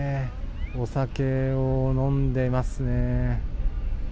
お酒を飲んでますね。